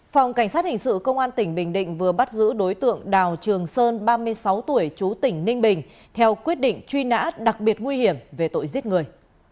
phòng cảnh sát hình sự công an tỉnh bình định vừa bắt giữ đối tượng đào trường sơn ba mươi sáu tuổi chú tỉnh ninh bình theo quyết định truy nã đặc biệt nguy hiểm về tội giết người